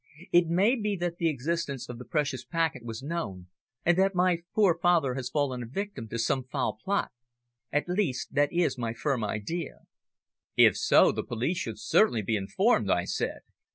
It may be that the existence of the precious packet was known, and that my poor father has fallen a victim to some foul plot. At least, that is my firm idea." "If so, the police should certainly be informed," I said.